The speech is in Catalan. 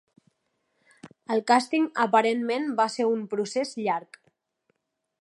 El càsting aparentment va ser un procés llarg.